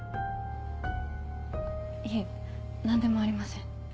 いえ何でもありません。